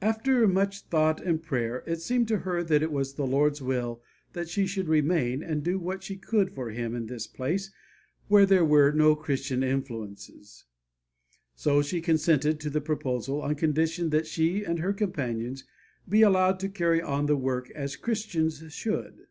After much thought and prayer it seemed to her that it was the Lord's will that she should remain and do what she could for him in this place where there were no Christian influences; so she consented to the proposal on condition that she and her companion be allowed to carry on the work as Christians should.